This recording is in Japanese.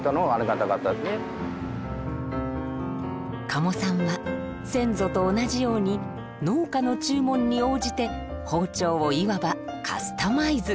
加茂さんは先祖と同じように農家の注文に応じて包丁をいわばカスタマイズ。